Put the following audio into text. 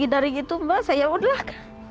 dari gitu mbak saya udah